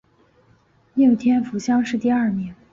应天府乡试第二名。